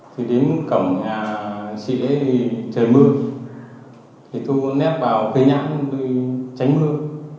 thì đến cổng nhà chị ấy trời mưa tôi nếp vào cây nhãn để tránh mưa